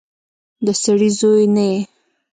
د سړي زوی نه يې.